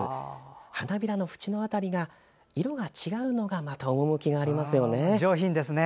花びらの縁の辺りが色が違うのがまた趣がありますよね。